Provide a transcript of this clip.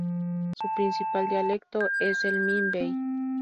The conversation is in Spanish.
Su principal dialecto es el Min Bei.